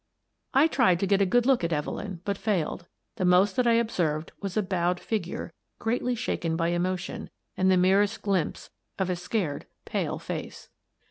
I tried to get a good look at Evelyn, but failed. The most that I observed was a bowed figure, greatly shaken by emotion, and the merest glimpse of a scared, pale face.